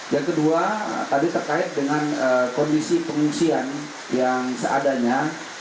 yang kedua tadi terkait dengan kondisi pengungsian yang seadanya